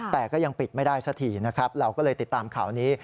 แต่ก็ยังปิดไม่ได้สักทีนะครับเราก็เลยติดตามข่าวนี้